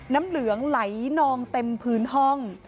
น้ำเหลืองไหลนองเต็มพื้นห้อง